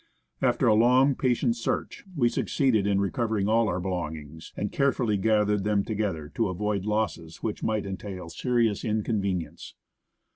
After a long and patient search, we succeeded in recovering all our belongings, and carefully gathered them together to avoid losses which might entail serious inconvenience.